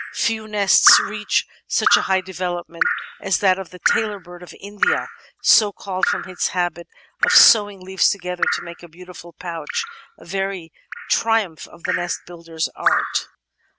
Few nests reach such a high development as that of the Tailor bird of India, so called from its habit of "sewing" leaves together to make a beautiful pouch, a very triumph of the nest builder's art.